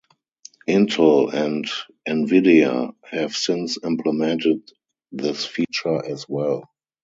Intel and Nvidia have since implemented this feature as well.